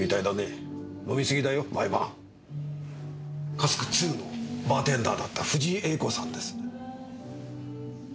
「Ｃａｓｋ」のバーテンダーだった藤井詠子さんです。